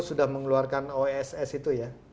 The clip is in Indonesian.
sudah mengeluarkan oss itu ya